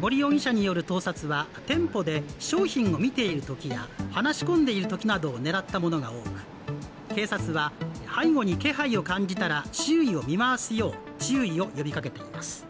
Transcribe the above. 森容疑者による盗撮は、店舗で商品を見ているときや話し込んでいるときなどを狙ったものが多く、警察は背後に気配を感じたら周囲を見回すよう注意を呼びかけています。